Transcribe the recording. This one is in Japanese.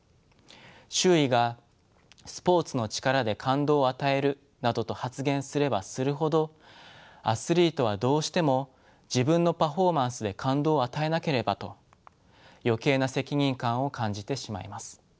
周囲が「スポーツの力で感動を与える」などと発言すればするほどアスリートはどうしても「自分のパフォーマンスで感動を与えなければ」と余計な責任感を感じてしまいます。